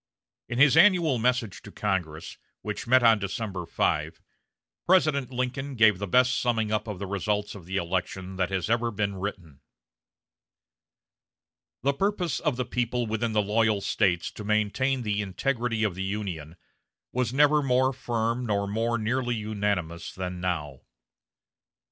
In his annual message to Congress, which met on December 5, President Lincoln gave the best summing up of the results of the election that has ever been written: "The purpose of the people within the loyal States to maintain the integrity of the Union was never more firm nor more nearly unanimous than now....